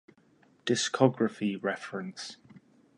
Discography reference